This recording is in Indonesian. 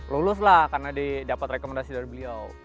lulus lah karena didapat rekomendasi dari beliau